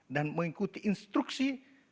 dan mengikuti instruksi